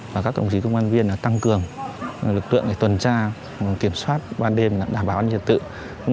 và các đồng chí công an viên tăng cường lực lượng tuần tra kiểm soát ban đêm đảm bảo an ninh trật tự